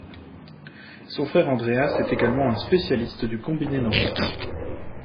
Son frère Andreas est également un spécialiste du combiné nordique.